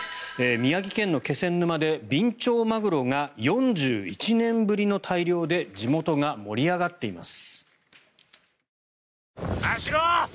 宮城県の気仙沼でビンチョウマグロが４１年ぶりの大漁で地元が盛り上がっています。